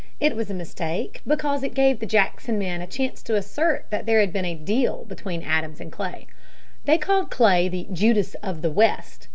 It was a mistake, because it gave the Jackson men a chance to assert that there had been a "deal" between Adams and Clay. They called Clay the "Judas of the West."